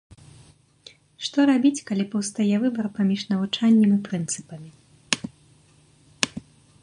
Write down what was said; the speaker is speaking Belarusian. Што рабіць, калі паўстае выбар паміж навучаннем і прынцыпамі?